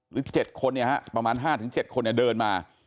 หรือ๗คนอะฮะประมาณ๕๗คนเดินมา